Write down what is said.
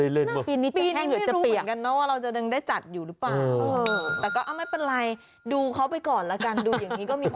แต่ก็ไม่เป็นไรดูเขาไปก่อนละกันดูอย่างนี้ก็มีความสุขดี